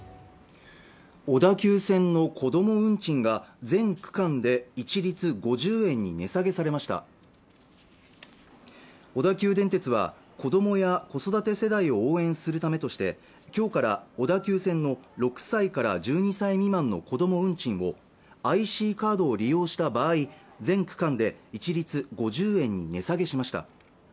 小田急線のこども運賃が全区間で一律５０円に値下げされました小田急電鉄は子どもや子育て世代を応援するためとして今日から小田急線の６歳から１２歳未満のこども運賃をＩＣカードを利用した場合全区間で一律５０円に値下げしました